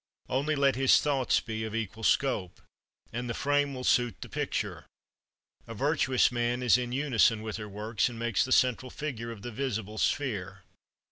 Only let his thoughts be of equal scope, and the frame will suit the picture. A virtuous man is in unison with her works, and makes the central figure of the visible sphere.